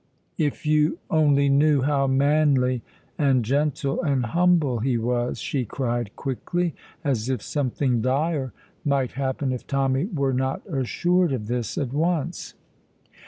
"If you only knew how manly and gentle and humble he was," she cried quickly, as if something dire might happen if Tommy were not assured of this at once.